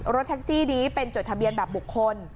รถแท็กซี่นี้เป็นจดทะเบียนแบบบุคคล